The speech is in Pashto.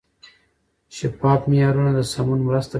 شفاف معیارونه د سمون مرسته کوي.